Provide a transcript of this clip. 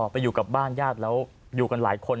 ไปอยู่กับบ้านญาติแล้วอยู่กันหลายคน